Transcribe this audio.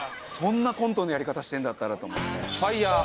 そんなコントのやり方してんだったらと思って。